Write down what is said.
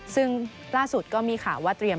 ซึ่งล่าสุดก็มีข่าวว่าเตรียม